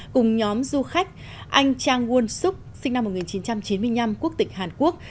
cùng nhóm du khách anh trang uân xúc sinh năm một nghìn chín trăm chín mươi năm quốc tỉnh hàn quốc